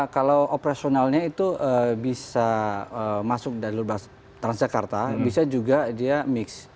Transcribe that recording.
kalau operasionalnya itu bisa masuk jalur transjakarta bisa juga dia mix